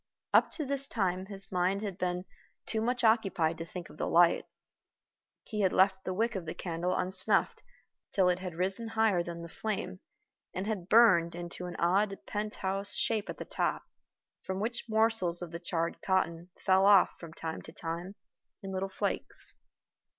Up to this time his mind had been too much occupied to think of the light. He had left the wick of the candle unsnuffed till it had risen higher than the flame, and had burned into an odd pent house shape at the top, from which morsels of the charred cotton fell off from time to time in little flakes.